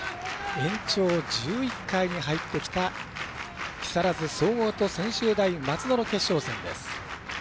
延長１１回に入ってきた木更津総合と専修大松戸の決勝戦です。